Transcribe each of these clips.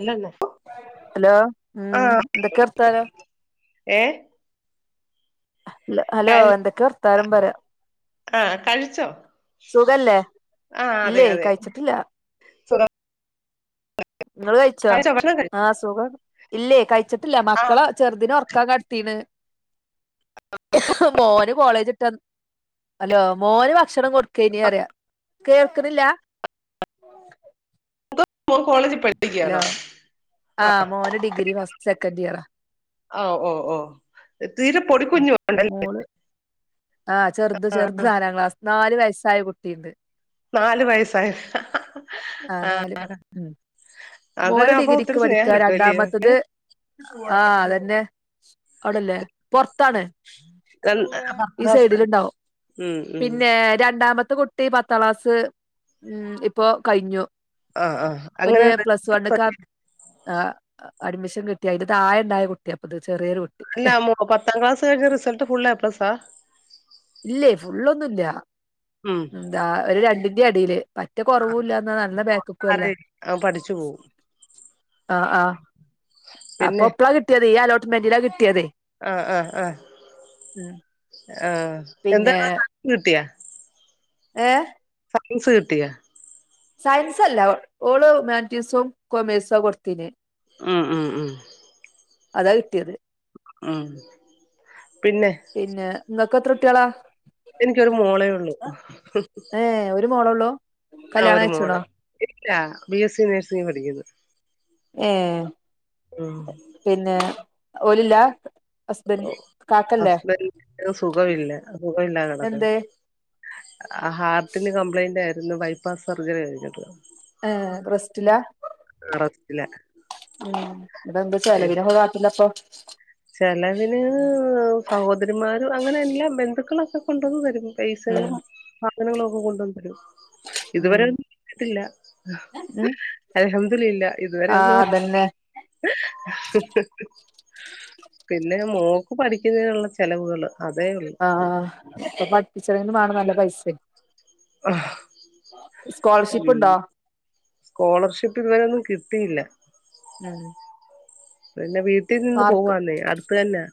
ഇല്ലല്ലാ ഹലോ ഉം എന്തൊക്കെ വർത്താനം ഏഹ് ഹലോ എന്തൊക്കെ വർത്താനം പറയാം ആഹ് കഴിച്ചോ? സുഖല്ലേ ആഹ് അതെ ഇല്ലേ അതെ കഴിച്ചിട്ടില്ല സുഖ നിങ്ങള് കഴിച്ചോ, ഭക്ഷണം കഴി ആ സുഖം ഇല്ലേ കഴിച്ചിട്ടില്ല ആ മക്കള ചെർതിന ഉറക്കാ കെടത്തീണ്, മോന് കോളേജ്ട്ട് വൻ ഹലോ മോന് ഭക്ഷണം കൊടുക്കയ്ന് അറയാ കേൾക്കുന്നില്ലാ മോൻകോളേജിൽ പഠിപ്പിക്കയാണോ ഹലോ ആ ആഹ് മോന് ഡിഗ്രി ഫസ്റ്റ് സെക്കന്റ് ഇയറാ ആഹ് ഓ ഓ ഓ തീരെ പൊടിക്കുഞ്ഞും ഉണ്ടല്ലേ മോള് ആഹ് ചെറുത് ആ ചെറുത് നാലം ക്ലാസ്, നാല് വയസ്സായ കുട്ടീണ്ട്. നാലു വയസായ നാല് ആഹ് ഉം മോന് ഡിഗ്രിക്ക് പഠിക്കാ, കിട്ടുവല്ലയോ ഏ രണ്ടാമത്തത് ആഹ് അതന്നെ അവിടല്ലേ പൊർത്താണ് ഈ സൈഡിൽ ഉണ്ടാവും, ഉം ഉം പിന്നെ രണ്ടാമത്തെ കുട്ട ട്ടി പത്താം ക്ലാസ് ഉം ഇപ്പൊ കഴിഞ്ഞു. ആഹ് ആഹ് അങ്ങനെന്ന [unintelligible] ആഹ് അഡ്മിഷൻ കിട്ടിഅതിന്റെ താഴെ ഇണ്ടായ കുട്ട്യാപ്പത്. ചെറിയൊരു കു ഇല്ല പത്താം ക്ലാസ് കഴിഞ്ഞ റിസൾട്ട് ഫുൾ എ പ്ലസാ ഇല്ലേ ഫുള്ളൊന്നുല്ല ഉം എതാ ഒരു രണ്ടിന്റെ എടയില് പറ്റ കുറവൂല്ലാ ന്നാ നല്ല ബാക്ക്ക്കു അല്ല. അവൻ പഠിച്ചു പോവും ആഹ്, ആഹ് അപ്പൊ പിന്നെ എപ്പളാ കിട്ടിയത് ഈ അലോട്ട്മെന്റിലാ കിട്ടിയത്. ആഹ് ആഹ് ആഹ് ആഹ് എന്താ പിന്നെ [unintelligible] കിട്ടിയാ ഏഹ് സയൻസ് കിട്ടിയ സയൻസ് അല്ല ഓള് ഹ്യുമാൻറ്റി സും കൊമേഴ്സോ കൊടുത്തിനെ ആഹ് ആഹ് ആഹ് അതാ കിട്ടിയത്. ഉം പിന്നെ പിന്നെ നിങ്ങൾക്ക് എത്ര കുട്ടികളാ? എനിക്കൊരു മോളേ ഉള്ളൂ ഏഹ് ഒരു മോളൊള്ളൂ ആ കല്യാണം ഒരു മോള് കഴിച്ച്ണോ ഇല്ല ബി എസ് സി നേഴ്സിംഗന് പഠിക്കുന്നു. [unintelligible] ഉം പിന്നെ ഒലില്ല ഓ ഹസ്ബൻഡന് സുഖമില്ല സുഖമില്ലാതെകിടക്കുവാ എന്തേ ഹ ഹാർട്ടിന് കംപ്ലൈന്റ് ആയിരുന്നു ബൈപാസ് സർജറി ഏഹ് റസ്റ്റില ആഹ് റസ്റ്റില ഉം എന്താ ചെലവിനക്കെ കട്ടലപ്പം ചെലവിന് സഹോദരിമാരും അങ്ങനെ എല്ലാ ബന്ധുക്കളൊക്കെ കൊണ്ട് വന്ന് തരു ഉം പൈസകളും സാധനങ്ങളും ഒക്കെ കൊണ്ടുവന്നു തരും ഉം ഇതുവരെ ഇട്ടിട്ടില്ല ഉം അൽഹംദുലില്ലാ ഇതുവരെ ആഹ് ഒന്നും അതന്നെ പിന്നെ മോക്ക് പഠിക്കുന്നതിനുള്ള ചെലവുകള് അതേ ഉള്ളൂ ആഹ് ഇപ്പൊ പഠിപ്പിച്ചണൊക്കിലും വേണം നല്ല പൈസ ആഹ് സ്കോളർഷിപ്പ് ഉണ്ടോ സ്കോളർഷിപ്പ് ഇതുവരെ ഒന്നും കിട്ടിയില്ല ഉം പിന്നെ വീട്ടിൽ നിന്ന് മാർക്ക് പോവന്നേ അടുത്തന്നെ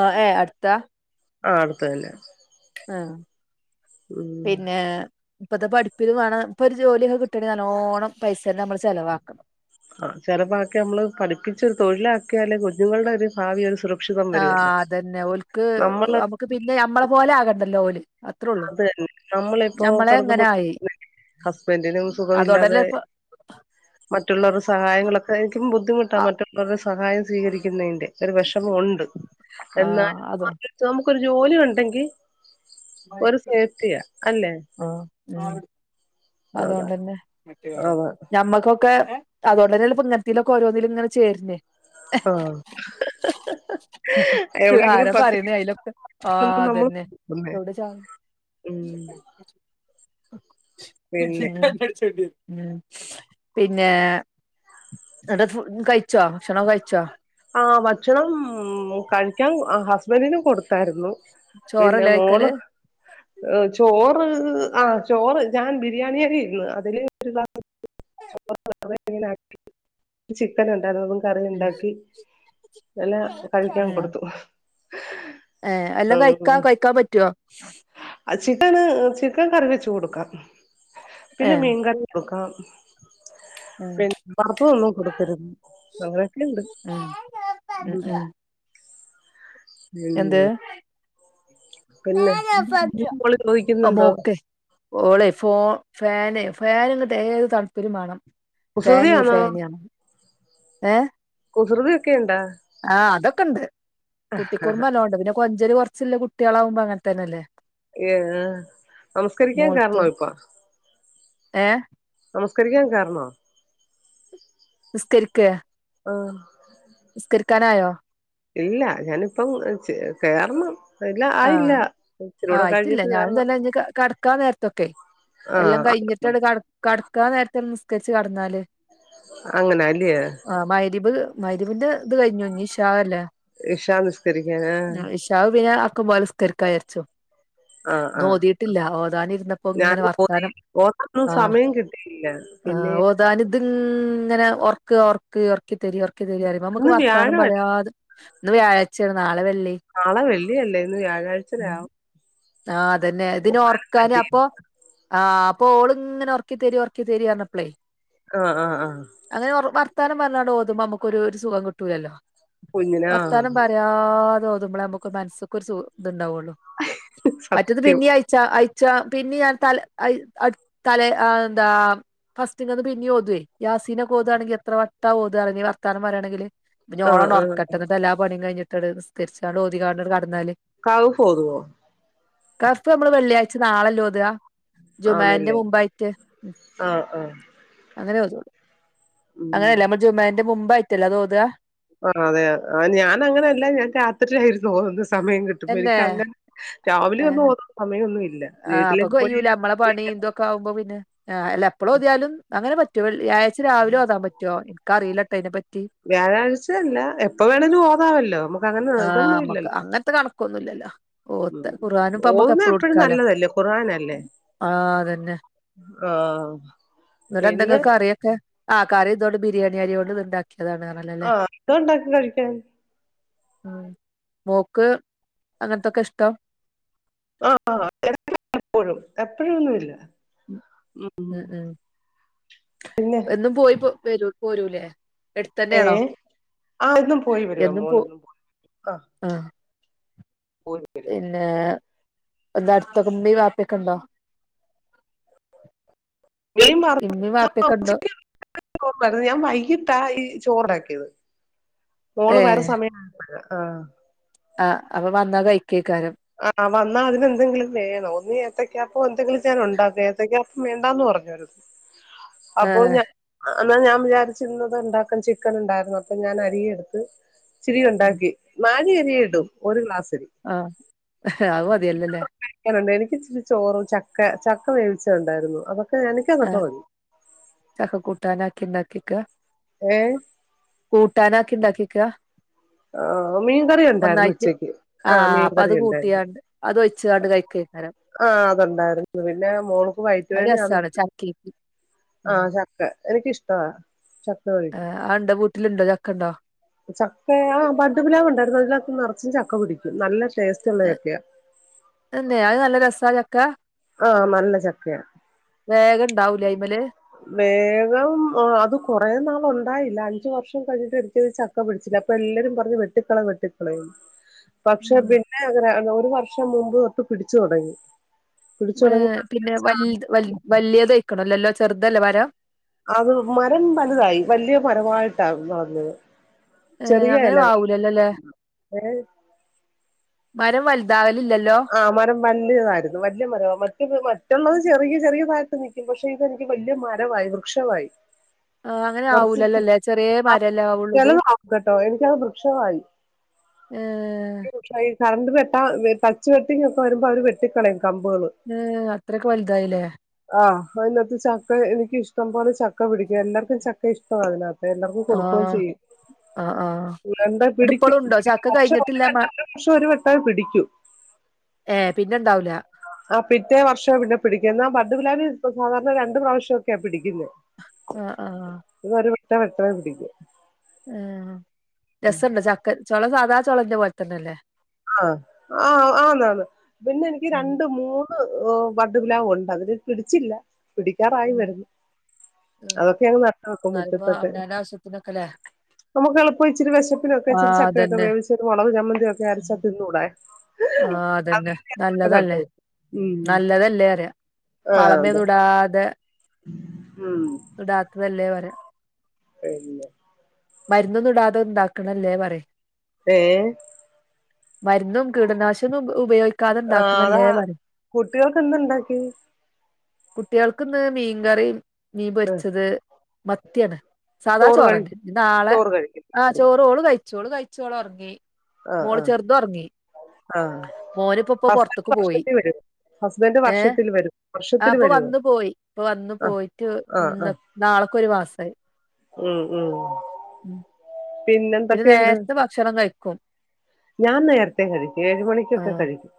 ആഹ് ഏഹ് അടുത്താ ആഹ് അടുത്തതന്നെ ഏഹ് പിന്നെ ഇപ്പത്തെ പഠിപ്പിന് വണ്ണം ഇപ്പോ ഒരു ജോലി കിട്ടണേൽ നല്ലോണം പൈസ തന്നെ നമ്മൾ ചെലവാക്കണം [unintelligible] പഠിപ്പിച്ച ഒരു തൊഴിലാക്കിയാല് കുഞ്ഞുങ്ങളുടെ ഒരു ഭാവി ഒരു സുരക്ഷിതം ആ വരുവല്ലോ അതന്നെ ഓൽക്ക് നമ്മള് നമുക്ക് പിന്നെ നമ്മളെ പോലെ ആകണ്ടല്ലോ ഓല് അത്രള്ളു അത് തന്നെ ഞമ്മളെങ്ങനായി ഹസ്ബൻഡിനു സുഖമില്ലാതെ മറ്റുള്ളവരുടെ സഹായങ്ങളൊക്കെ എനിക്കും ബുദ്ധിമുട്ടാ ആ മറ്റുള്ളവരുടെ സഹായം സ്വീകരിക്കുന്നതിന്റെ ഒരു വിഷമം ഉണ്ട് എന്നാൽ ആഹ് അതോ നമുക്കരു ജോലി ഉണ്ടെങ്കിൽ ഒരു സേഫ്റ്റിയാ അല്ലെ ആഹ് അതാ അതോണ്ടന്നെ അതാ ഞമ്മക്കൊക്കെ അതൊണ്ടനല്ലെപ്പോ ഇങ്ങത്തെലൊക്കെ ഓരോന്നിലങ്ങനെ ചേർന്നെ ആഹ് [unintelligible] ആരാ പറയണേ അയിലൊക്കെ ആഹ് അതന്നെ മ്മ് എവിടെ ചാടി [inaudible] പിന്നെ ഉം പിന്നെ അടെകഴിച്ചോ ഭക്ഷണം കഴിച്ചോ ആ ഭക്ഷണം കഴിക്കാൻ ആ ഹസ്ബൻറിന് കൊടു തരുന്നു പിന്നെ ചോറല്ലേ മോള് കഴിക്കല് ചോറ് ആ ചോറ് ഞാൻ ബിരിയാണിയരി ഇരുന്നു അതിന് [unintelligible] ചിക്കാണ്ടായിരുന്നു അപ്പൊ കറി ഉം ഉണ്ടാക്കി എല്ലാ കഴിക്കാൻ ഉം കൊടുത്തു ഏഹ് എല്ലാം കഴിക്കാ ഉം കഴിക്കാൻ പറ്റോ [unintelligible] ചിക്കൻ കറി വെച്ച് കൊടുക്കാം പിന്നെ ഏഹ് മീൻകറി നോക്കാം ഉം ബാപ്പ [unintelligible] കൊടുക്കരുരുത് അങ്ങനെയൊക്കെണ്ട് ആ അ ഉം എന്ത് പിന്നെ കുപ്യാള് ചോദിക്കുന്നുണ്ടോ മോക്കെ ഓളെ ഫോ ഫേനി ഫേന്ഏത് തണ്പ്പിലും വാണം കുസൃതിയാണോ ഏഹ് കുസൃതി ഒക്കെ ഇണ്ടാ ആഹ് അതൊക്കെ ഉണ്ട് കുട്ടി കുറുമ്പ്നല്ലോണ്ട് ' പിന്നെ കൊഞ്ചല് കുറച്ചില്ല കുട്ടികളകുമ്പോ അങ്ങനെ തന്നെല്ലേ ഏഹ് നമസ്കരിക്കാൻ മോൾത്ത കാരണോ ഇപ്പ ഏഹ് നമസ്കരിക്കാൻ കാരണോ നിസ്തരിക്കേ ആഹ് നിസ്കരിക്കാനായോ ഇല്ല ഞാനിപ്പം കേറണം ഇല്ല ആ ആയില്ല ഇച്ചിരൂടെ ആയിട്ടില്ല കഴിഞ്ഞിട്ട് ഞാനും കേറണം തന്നെ ഇഞ്ഞ് കടക്കാൻ നേരത്തൊക്കെ എല്ലാം ആഹ് കഴിഞ്ഞിട്ട് ട്കടക്കാ നേരത്തൊനിസ്കരിച്ച് കടന്നാല് അങ്ങനാ ല്ല്യോ ആ മഹ്‌രി ബ് മഹ്‌രിബന്റെ ഇത് കഴിഞ്ഞു ഇനിഷാ അല്ലേ ഇഷാസ്കരിക്കാന ഷാഹ്ആക്ക പൊലെ നിസ്ക്കാ വിചാരിച്ചു [inaudible] ആ ഇന്ന് ഹ്ആഹ് ഓതിയിട്ടില്ല ഓതാനിരുന്നപ്പോ ഇങ്ങനെ ഞാനുഓതി വർത്താനം ഓതാ നൊന്ന്സമയം കിട്ടിയില്ല പിന്നെ താലു തിങ്ങ ഇങ്ങനെ ഓർക്ക് ഓർക്ക് ഒർക്കി തരി ഓർക്കി തരി നമുക്ക് ഇന്ന് വർത്താനം വ്യാഴമല്ല പറയാതെ ഇന്ന് വ്യാഴ്ചയാണ് നാളെ വെള്ളി നാളെ വെള്ളിയല്ലേ ഇന്ന് വ്യാഴാഴ്ച രാവും ആഹ് അതന്നെ പോകാനും ഇതിനോർക്കാന് പറ്റി അപ്പൊ ആഹ് അപ്പൊ ഓള് ഇങ്ങനെ ഉറക്കി തരി ഉറക്കി തരിപറഞ്ഞപ്പളേ ആഹ്ആഹ്ആഹ് അങ്ങനെ വർത്താനം പറഞ്ഞാ ഓതുമ്പോ നമുക്കരു ഒരു സുഖം കിട്ടില്ലല്ലോ കുഞ്ഞിന് വർത്താനം ആഹ് പറ ത ഓതുമ്പോളെ നമുക്ക് മനസ്ക്ക്‌ ഒരു ഇത്ണ്ടാവുള് മറ്റത് സത്യം പിന്ന ച്ച അയച്ച പിന്നെ ഞാൻ തല അ തല എന്താ ഫസ്റ്റ് ഇങ്ങന്ന് പിന്നെ ഓതുവേ യാസിനെ ഓതുവാണെങ്കിൽ എത്ര വട്ട ഓതണെ ഇങ്ങനെ വർത്താനം പറയാണെങ്കില് ഇ ഓള ആഹ് ആഹ് ഉറക്കട്ട എന്നിട്ട് എല്ലാ പണിയും കഴിഞ്ഞിട്ട് നിസ്കരിച്ച് ഓതിയിങ്ങാണ്ട്കിടന്നാല് കഹ്‌ഫ് ഓതുവോ? കഹ്ഫ് നമ്മൾ വെള്ളിയാഴ്ച നാളയല്ലേ ഓതുകാ ജുമാന്റെ ആന്നല്ലേ മുമ്പായിട്ട് ആഹ് ആഹ് അങ്ങനെ ഓ ഉം തൊഅങ്ങനെയല്ലേ നമ്മൾ ജുമാന്റെ മുമ്പായിയിട്ടല്ല അതോതുക ആ അതെ ആ ഞാനങ്ങനെല്ല ഞാൻ രാത്രിയിലാ ഇരുന്നു ഓതുന്നുന്നത് സമയം കിട്ട ഏഹ് സംബഹിക്ക് അങ്ങനെ രാവിലെ ഒന്നും ഓതാൻ സമയമൊന്നും ഇല്ല ആഹ് അപ്പൊ കയ്യുല്ല നമ്മളെ പണി എന്തൊക്കെ ആവ്മ്പോ പിന്നെ അല്ല എപ്പളും ഓതിയാലും അങ്ങനെ പ വെള്ളിയാഴ്ച രാവിലെ ഓതാൻ പറ്റുമോ എനിക്കറിയില്ല ട്ടോ ഇതിനെപ്പറ്റി വ്യാഴാഴ്ചയല്ല എപ്പ വേണമെങ്കിലും ഓതാമല്ലോ ആഹ നമ്മക്ക് അങ്ങനത്തെ കണക്കൊ- ന്നുല്ലാല ഉം. ഓത്ഖുർആന് പ്പ നമ്മക്ക് ഓതുന്നെ എപ്പളു എപ്പഴും എടുക്കാലോ നല്ലതല്ലേ ആ ഹ്അതന്നെ ആഹ് ഇന്നട്ട ന്താങ്ങ് ക്ക്കറിക്കെആഹ കറി ഇതുകൊണ്ട് ബിരിയാണി അരി കൊണ്ട് ഇത്ണ്ടാക്കിയതാണ് പറഞ്ഞല്ലോല്ലേ ആഹ് അത് ഉണ്ടാക്കി [unintelligible] ആ മോക്ക് അങ്ങനത്തൊക്കെ ഇഷ്ടം ആഹ്ആ എപ്പോഴും എപ്പഴ ഒന്നുമല്ല ഉംഉ എന്നും പോയി വരൂ പോരൂലേ എടുത്ത ഏ ന്നെയാണോ ആ ഇന്നും പോയി വരുവാ എന്നും പോ മോളിന്നും പോയി. ആഹ് പ [unintelligible] പിന്നെ എന്താ അടുത്തൊക്കെ ഉമ്മേം വാപ്പയൊക്കെ ഉണ്ടോ മീൻ ഇമ്മീം വാപ്പയൊക്കെ വറുത്തത് ഉണ്ടോ [unintelligible] ചോറാരുന്നു ഞാൻ വൈകിട്ടാ ഈ ചോറാക്കിയത് ഏ മോള് വരുന്ന സമയ- ആഹ് ആഹ് അപ്പൊ വന്നാ കഴിക്കേ [unintelligible] ക്കാരും ആഹ് വന്നാ അതിനെന്തെങ്കിലും വേണം ഒന്നി ഏത്തയ്ക്കപ്പവോ എന്തേങ്കിലും ഞാൻ ഉണ്ടാക്കും ഏത്തക്കപ്പം വേണ്ടന്ന് പറഞ് ആ അപ്പൊ ഞാ- എന്നാ ഞാൻ വിചാരിച്ചിന്നിത് ഉണ്ടാക്ക ചിക്കൻ ഉണ്ടായിരുന്നു അപ്പൊ ഞാൻ അരിയെടുത്തു - ഇച്ചിരി ഉം ഒണ്ടാക്കി നാഴി അരിയെയിടു ഒരു ഗ്ലാസ് അരി ആഹ് ആത് മതിയല്ലോയില്ലേ കഴിക്കാനുണ്ട് എനിക്ക് ഇച്ചിരി ചോറും ചക്ക ചക്ക വേവിച്ച ഉണ്ടായിരുന്നു അതൊക്കെ എനിക്കതൊക്കെ മതി ചക്കക്കൂട്ടാൻ ആക്കി ഉണ്ടാക്കി വെക്കുക ഏ കൂട്ടാനാക്കി ഇണ്ടാക്കിക്ക? ഉം [inaudible] ആഹ് മീൻകറി ഒണ്ടായിരുന്നു ഉച്ചക്ക് ആ ആഹ് അപ്പൊ മീൻകറി അത് ഒണ്ടായിരുന്നു കൂട്ടിയാണ്ട് അത് ഒഴിച്ചാണ്ട് കഴിക്കേക്കാരം ആഹ് അത് ഒണ്ടായിരുന്നു പിന്നെ മോൾക്ക് വയറ്റ് അത് വേദനയാന്ന് രസാണ് പറഞ്ഞു- ചക്കേക്ക് ഉം എനിക്കിഷ്ടമാണ് ചക്ക വേവിച- ആന്റെ വീട്ടിലുണ്ടോ ചക്ക ഒണ്ടോ ചക്ക ബഡ് പ്ലാവ് ഉണ്ടായിരുന്നു അതിലൊക്കെ നറച്ചും ചക്ക പിടിക്കും നല്ല ടേസ്റ്റ് ഉള്ള ചക്കയാ എന്തെ അത് നല്ല രസാ ചക്ക ആഹ് നല്ല ചക്കയ വേഗം ഇണ്ടാവുലെ അയിമേല് വേഗം അത് കുറേനാള് ഒണ്ടായില്ല അഞ്ചു വർഷം കഴിഞ്ഞിട്ടയാ അതില് ച- ക്കെ പിടിച്ചില്ല അപ്പൊ എല്ലാരും പറഞ്ഞു വെട്ടിക്കള വെട്ടിക്കളയെന്ന് പക്ഷെ ഉം പിന്നെ അങ്ങനെ ഒരു വർഷം മുമ്പ് തൊട്ട് പിടിച്ചു തൊടങ്ങി ഏ് പിന്നെ വൽ വലിയതഴക്കണല്ലോല്ലോ ചെറുതല്ലേ വരാ അത് മരം വലുതായി വലിയ മരമായിട്ടാ വളന്നത് ഏ അങ്ങനെ ആവൂലല്ലോല്ലേ മരം വലുതാവലില്ലല്ലോ ആ മരം വല്ലിയതായിരുന്നു വലിയ മര മറ്റ മറ്റുള്ളത് ചെറിയ ചെറിയതായിട്ട് നിൽക്കും പക്ഷെ- പക്ഷെ ഇതെനിക്ക് വലിയ മരമായി വൃക്ഷമായി ആഹ് അങ്ങനെ കുറ ആവൂലല്ലോല്ലേ ചെറിയ മരല്ലേ ആവുള്ളൂ ഇത് ചില കേട്ടോ എനിക്കത് വൃക്ഷമായി [unintelligible] ഏഹ ഈ [unintelligible] വൃക്ഷ ഈ കറണ്ട് വെട്ടാ ടച്ച് വെട്ടിങ്ങ് ഒക്കെ വരുമ്പോ അവര് വെട്ടിക്കകളയും കമ്പുകള് ഏ അത്രക്കെ വലുതായിലേ ആഹ് അതിനത്ത് ചക്ക എനിക്കിഷ്ടം പോലെ ചക്ക പിടിക്കും എല്ലാർക്കും ചക്ക ഇഷ്ടമാണ് അതിനാത്ത് അപ്പ എല്ലാർക്കും കൊടുക്കുകയും ആഹ് ചെയ്യും ആഹ് ആഹ് വണ്ട എന്നിട്ട് പിടി [unintelligible] ഇപ്പളും ഉണ്ടോ ചക്ക ക്കുംക്ഷ കഴിഞ്ഞിട്ടില്ല മ വപക്ഷം ഒരു വെട്ടം പിടിക്കും ഏയ് പിന്നെണ്ടാവൂല ആ പിറ്റേ വർഷം പിന്നെ പിടിക്കുന്നെ എന്നാ ബഡ് പ്ലാവിൽ സാധാരണ രണ്ട് പ്രാവശ്യൊക്കെയാ പിടിക്കുന്നത് ആഹ് ആഹ് ഇത് ഒരു വട്ടം വെട്ടാതെ പിടിക്കും ആഹ് രസുണ്ട് ചക്ക ചൊള സാധാ ചോളെന്റെ പോലെ തന്നെല്ലേ ആഹ് ആഹ് ആന്നാന്ന് പിന്നെ എനിക്ക് ഉം രണ്ട് മൂ- ബഡ് പിലാവ് ഉണ്ട് അതിനാത്ത് പിടിച്ചില്ല പിടിക്കാറായി ഉം വരുന്നു അതൊക്കെ അങ്ങ് നട്ട് വെക്കും മുറ്റത്തൊക്കെ പ്പനക്കല്ലേ [unintelligible] നമുക്ക് എളുപ്പം ഇച്ചിരി വെശപ്പിനൊക്കെ ഇച്ചിരി ആഹ് ചക്കയൊക്കെ അതന്നെ വേവിച്ച് ഒരു മുളക് ചമ്മന്തിയെക്കെ അരച്ച തിന്നൂടെ ആഹ് അതന്നെ അതൊക്കെ നട്ട് നല്ലതല്ലേ വെക്കും ഉം നല്ലതല്ലേ അറിയ ആഹ് വളമേ അതെ ഇടാതെ ഉം ഇടാത്ത് അല്ലേ വര പിന്നെ മരുന്നൊന്നുംടാതെ ഇണ്ടാക്കണ അല്ലേ പറയും ഏ മരുന്നും കീടനാശു ന്നും ഉപയോഗിക്ക ആ അതാ കുട്ടികൾക്ക് എന്തുണ്ടാക്കി കുട്ടികൾക്ക്ന്ന് മീൻകറി മീൻ ആഹ് പൊരിച്ചത് മത്തിയണ് സാധാ ചോറ് ചോറന്നെ കഴിക്കും നാളെ ചോറ് കഴിക്കും ആ രാത്രി ചോ റോള് കഴിച്ചോള് കഴിച്ചോളറങ്ങി ആഹ് മോള് ആഹ് ചെർത് ഒറങ്ങി ആഹ് മോന്പ്പൊപ്പ ഹസ്ബൻഡ് പുറത്തുക്കു പോയി വർഷത്തിൽ വരും ഹസ്ബൻഡ് ഏ വർഷത്തിൽ വരും ആ വർഷത്തിൽ അപ്പൊ വരുവോ വന്ന് പോയി ഇപ്പൊ വന്നു ആഹ് പോയിട്ട് ആഹ് ആഹ് നാള്ക്ക്ഒരു മാസമായി ഉം ഉം ഉം പിന്നെ പിന്നെന്തൊക്കെയുണ്ട് നേരത്തെ ഭക്ഷണം കഴിക്കും ഞാൻ നേരത്തെ കഴിക്കു ഏഴ് മണിക്കൊക്കെ കഴിക്കും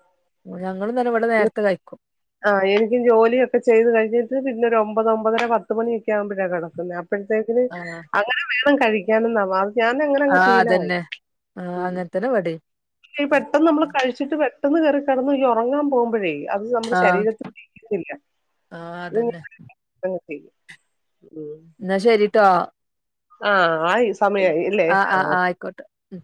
ഞങ്ങളും ഇന്നുംഇവിടെ നേരത്തെ കഴിക്കും ആ എനിക്കും ജോലി ഒക്കെ ചെയ്ത് കഴിഞ്ഞിട്ട് പിന്നെ ഒരു ഒമ്പത് ഒമ്പതര പത്ത് മണിയൊക്കെ ആവുമ്പോഴാണ് കിടുന്നത് അപ്പോഴത്തേക്കിന് ആ അങ്ങനെ വേണം കഴിക്കാനെന്നാ വാ ഞാനങ്ങിനങ്ങ് ആ ശീലമായി അതന്നെ ആ ഉം അങ്ങനത്തന്നെ ഇവിടേം ഈ പെട്ടെന്ന് നമ്മള് കഴിച്ചിട്ട് പെട്ടെന്ന് കേറി കിടന്ന് ഈ ഉറങ്ങാൻ പോകുമ്പോഴേ അത് ആ ശരീരത്തിന് പിടിക്കുന്നില്ല ആ അതന്നെ [unintelligible] എന്നാ ശരിട്ടോ ആഹ് ആയിസമയായി ഇല്ലേ ആ ആ ആഹ് ആ ആയിക്കോട്ടെ ഉം